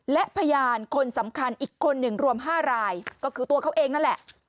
และพยานคนสำคัญอีกคนหนึ่งรวม๕รายก็คือตัวเขาเองนั่นแหละ